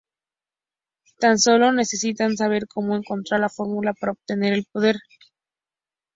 Tan sólo necesitan saber cómo encontrar la fórmula para obtener el poder.